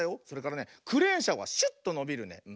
それからねクレーンしゃはシュッとのびるね。